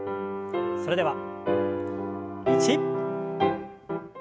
それでは１。